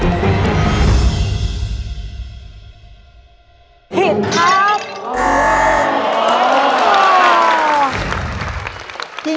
ผิดครับ